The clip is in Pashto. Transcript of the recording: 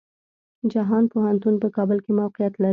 جهان پوهنتون په کابل کې موقيعت لري.